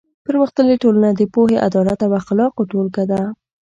پرمختللې ټولنه د پوهې، عدالت او اخلاقو ټولګه ده.